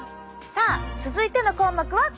さあ続いての項目はこれ！